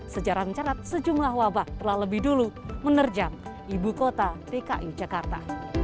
sejarah mencarat sejumlah wabah telah lebih dulu menerjang ibu kota dki jakarta